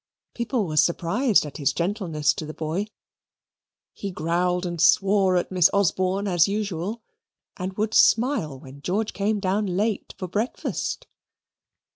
People were surprised at his gentleness to the boy. He growled and swore at Miss Osborne as usual, and would smile when George came down late for breakfast.